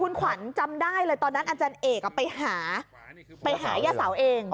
คุณขวัญจำได้เลยตอนนั้นอาจารย์เอกไปหาไปหาย่าเสาเอง